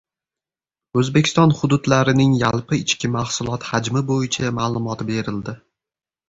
O‘zbekiston hududlarining yalpi ichki mahsulot hajmi bo‘yicha ma’lumot berildi